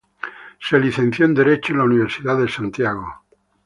Se licenció en Derecho en la Universidad de Santiago.